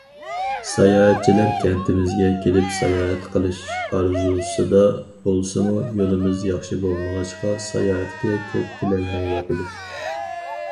ساياھەتچىلەر كەنتىمىزگە كېلىپ ساياھەت قىلىش ئارزۇسىدا بولسىمۇ، يولىمىز ياخشى بولمىغاچقا، ساياھەتكە كۆپ كېلەلمەيۋاتىدۇ.